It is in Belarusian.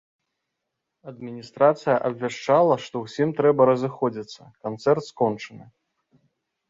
Адміністрацыя абвяшчала, што ўсім трэба разыходзіцца, канцэрт скончаны.